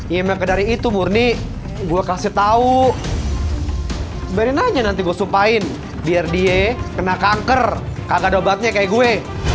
iya makanya dari itu murni gua kasih tahu berin aja nanti gue sumpahin biar dia kena kanker kagak ada obatnya kayak gue